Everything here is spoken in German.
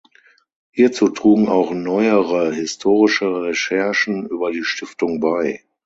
Hierzu trugen auch neuere historische Recherchen über die Stiftung bei.